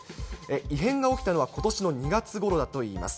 異変が起きたのは、ことしの２月ごろだといいます。